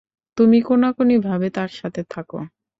তুমি কোনা কোনি ভাবে তার সাথে থাকো।